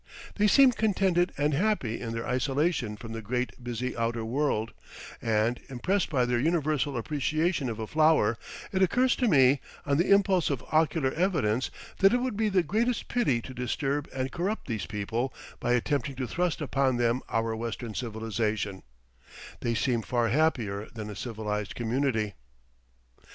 They seem contented and happy in their isolation from the great busy outer world, and, impressed by their universal appreciation of a flower, it occurs to me, on the impulse of ocular evidence, that it would be the greatest pity to disturb and corrupt these people by attempting to thrust upon them our Western civilization they seem far happier than a civilized community.